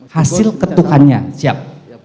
hasil ketukannya siap